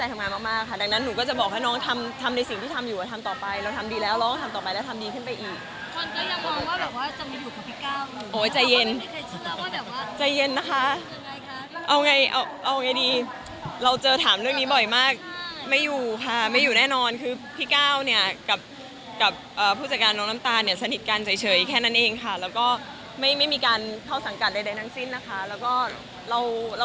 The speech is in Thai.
อย่างนั้นหนูก็จะบอกให้น้องทำในสิ่งที่ทำอยู่แล้วทำต่อไปแล้วทำดีแล้วเราก็ทำต่อไปแล้วทำดีขึ้นไปอีกโอ้ยใจเย็นใจเย็นนะคะเอาไงเอาไงดีเราเจอถามเรื่องนี้บ่อยมากไม่อยู่ค่ะไม่อยู่แน่นอนคือพี่ก้าวเนี่ยกับกับผู้จัดการน้องน้ำตาลเนี่ยสนิทกันเฉยแค่นั้นเองค่ะแล้วก็ไม่มีมีการเข้าสังกัดใดทั้งสิ้นนะคะ